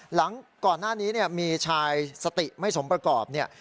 หลังก่อนหน้านี้เนี่ยมีชายสติไม่สมประกอบเนี่ย